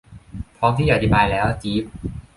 พร้อมที่จะอธิบายแล้ว จีฟ